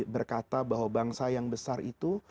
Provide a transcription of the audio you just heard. berkata bahwa bangsa yang besar itu